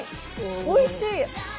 おいしい！